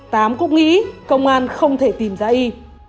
tám cũng nghĩ công an không thể tìm ra y